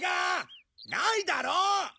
ないだろ？